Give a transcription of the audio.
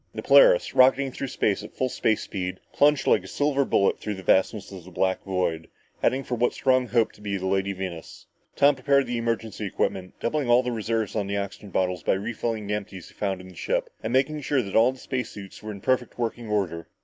The Polaris, rocketing through space at full space speed, plunged like a silver bullet through the vastness of the black void, heading for what Strong hoped to be the Lady Venus. Tom prepared the emergency equipment, doubling all the reserves on the oxygen bottles by refilling the empties he found on the ship and making sure that all space suits were in perfect working order.